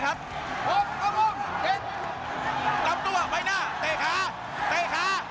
ล็อกตัวใบหน้าเตะขาเตะขา